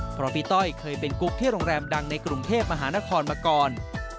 เพราะพี่ต้อยเคยเป็นกุ๊กที่โรงแรมดังในกรุงเทพมหานครมาก่อน